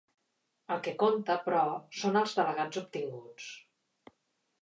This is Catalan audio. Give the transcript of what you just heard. El que compta, però, són els delegats obtinguts.